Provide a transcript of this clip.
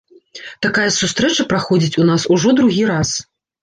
Такая сустрэча праходзіць у нас ужо другі раз.